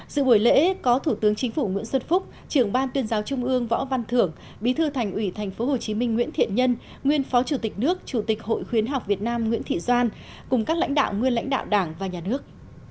dự buổi lễ có thủ tướng chính phủ nguyễn xuân phúc trưởng ban tuyên giáo trung ương võ văn thưởng bí thư thành ủy tp hcm nguyễn thiện nhân nguyên phó chủ tịch nước chủ tịch hội khuyến học việt nam nguyễn thị doan cùng các lãnh đạo nguyên lãnh đạo đảng và nhà nước